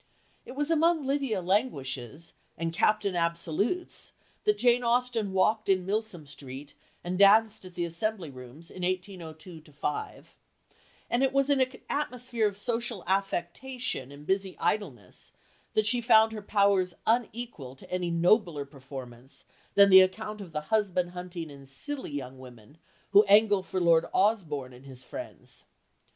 It was among Lydia Languishes and Captain Absolutes that Jane Austen walked in Milsom Street and danced at the Assembly rooms in 1802 5, and it was in an atmosphere of social affectation and busy idleness that she found her powers unequal to any nobler performance than the account of the husband hunting and silly young women who angle for Lord Osborne and his friends.